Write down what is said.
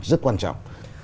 rất quan trọng